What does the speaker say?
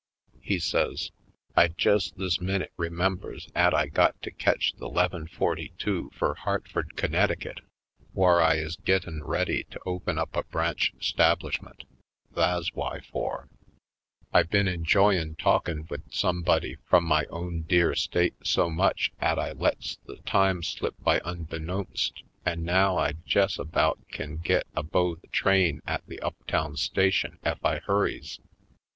He says: "I jes' this minute remembers 'at I got to ketch the 'leven forty two fur Hartford, Connecticut, whar I is gittin' ready to open up a branch 'stablishment — tha's whyfore. I been enjoyin' talkin' wid somebody frum my own dear state so much 'at I lets the time slip by unbeknownst an' now I jes' about kin git abo'de the train at the lip town station ef I hurries."